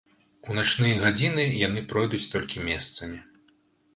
У начныя гадзіны яны пройдуць толькі месцамі.